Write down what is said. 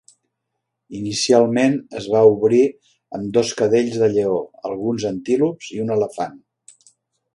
Inicialment es va obrir amb dos cadells de lleó, alguns antílops i un elefant.